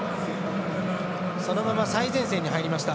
そのまま最前線に入りました。